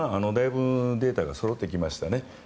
だいぶデータはそろってきましたね。